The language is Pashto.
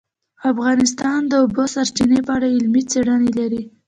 افغانستان د د اوبو سرچینې په اړه علمي څېړنې لري.